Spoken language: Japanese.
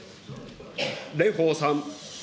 蓮舫さん。